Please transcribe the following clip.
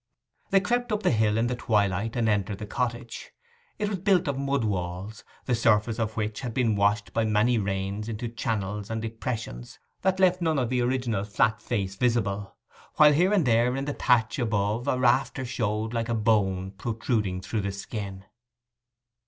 They crept up the hill in the twilight, and entered the cottage. It was built of mud walls, the surface of which had been washed by many rains into channels and depressions that left none of the original flat face visible; while here and there in the thatch above a rafter showed like a bone protruding through the skin.